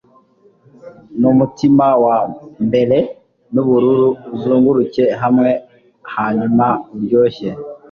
numutima wa amber nubururu uzunguruke hamwe hanyuma uryoshye